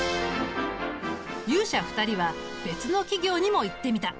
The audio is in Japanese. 勇者２人は別の企業にも行ってみた。